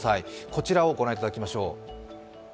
こちらを御覧いただきましょう。